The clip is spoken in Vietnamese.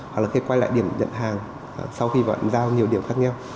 hoặc là khi quay lại điểm nhận hàng sau khi bạn giao nhiều điểm khác nhau